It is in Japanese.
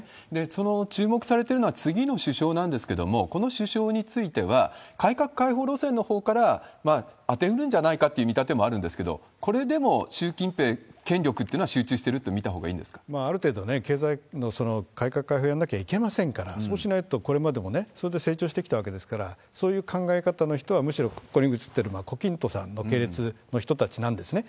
その注目されてるのは、次の首相なんですけれども、この首相については、改革開放路線のほうから充てるんじゃないかというふうに見立てもあるんですけど、これでも習近平権力ってのは集中してると見たほある程度、経済の改革開放をやらなきゃいけませんから、そうしないとこれまでもね、それで成長してきたわけですから、そういう考え方の人はむしろここに写ってる、胡錦涛さんの系列の人たちなんですね。